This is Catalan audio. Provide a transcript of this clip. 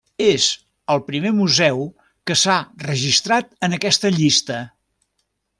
És el primer museu que s'ha registrat en aquesta llista.